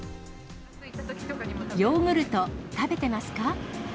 ヨーグルト食べてますか？